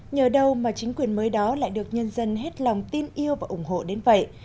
nhờ đâu mà chính quyền mới đó lại được nhân dân hết lòng tin yêu và ủng hộ đến vậy